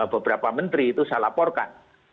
beberapa menteri itu saya laporkan